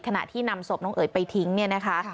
ขณะที่นำศพน้องเอ๋ยไปทิ้งเนี่ยนะคะ